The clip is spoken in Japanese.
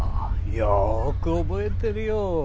よく覚えてるよ。